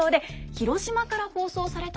広島で放送された？